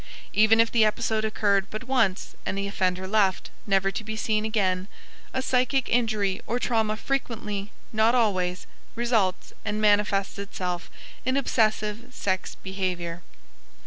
Even if the episode occurred but once, and the offender left, never to be seen again, a psychic injury or trauma frequently (not always) results and manifests itself in obsessive sex behavior.